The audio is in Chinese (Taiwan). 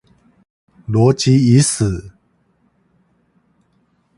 邏輯已死